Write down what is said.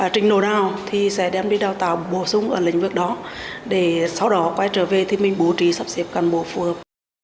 trình độ nào thì sẽ đem đi đào tạo bổ sung ở lĩnh vực đó để sau đó quay trở về thì mình bố trí sắp xếp cán bộ phù hợp